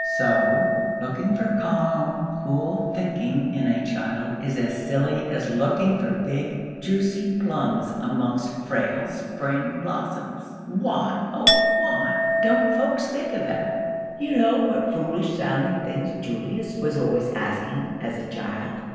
So, looking for calm, cool thinking in a child is as silly as looking for big, juicy plums amongst frail spring blossoms. Why, oh, why don't folks think of that? You know what foolish sounding things Julius was always asking, as a child.